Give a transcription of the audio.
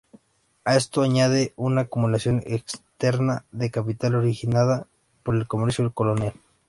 A esto se añade una acumulación externa de capital originada por el comercio colonial.